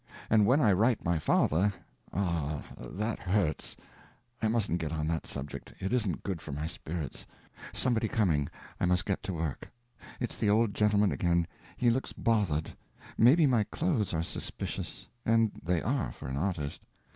And when I write my father—ah, that hurts! I mustn't get on that subject; it isn't good for my spirits. Somebody coming—I must get to work. It's the old gentleman again. He looks bothered. Maybe my clothes are suspicious; and they are—for an artist.